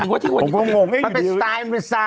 มันเป็นสไตล์